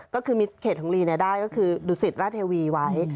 ก็คือมีเขตของลีได้ก็คือดุสิตราชเทวีไว้